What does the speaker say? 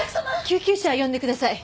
救急車呼んでください。